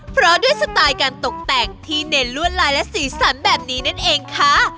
เพราะด้วยสไตล์การตกแต่งที่เน้นลวดลายและสีสันแบบนี้นั่นเองค่ะ